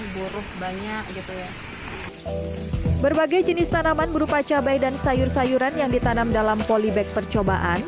berbagai jenis tanaman berupa cabai dan sayur sayuran yang ditanam dalam polybag percobaan